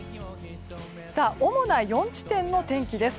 主な４地点の天気です。